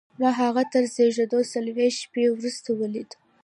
ما هغه تر زېږېدو څلرویشت شېبې وروسته ولید